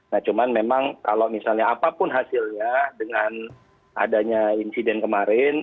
nah cuman memang kalau misalnya apapun hasilnya dengan adanya insiden kemarin